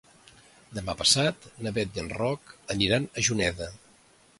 Demà passat na Bet i en Roc aniran a Juneda.